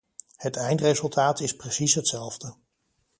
Het eindresultaat is precies hetzelfde.